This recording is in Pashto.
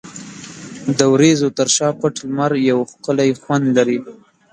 د وریځو تر شا پټ لمر یو ښکلی خوند لري.